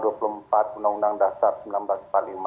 undang undang dasar seribu sembilan ratus empat puluh lima